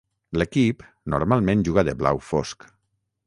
L'equip normalment juga de blau fosc.